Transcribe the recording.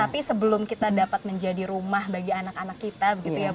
tapi sebelum kita dapat menjadi rumah bagi anak anak kita gitu ya